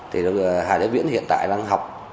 thì hà gia viễn hiện tại đang học